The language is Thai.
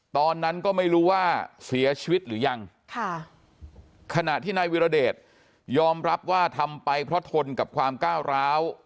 ตอนนั้นก็ไม่รู้ว่าเสียชีวิตหรือยังขณะที่นายวิรเดชยอมรับว่าทำไปเพราะทนกับความก้าวร้าว